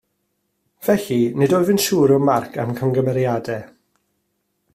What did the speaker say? Felly, nid wyf yn siŵr o'm marc a'm camgymeriadau